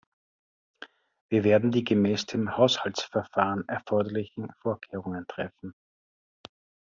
Wir werden die gemäß dem Haushaltsverfahren erforderlichen Vorkehrungen treffen.